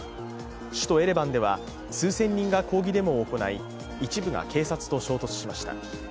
首都エレバンでは数千人が抗議デモを行い一部が警察と衝突しました。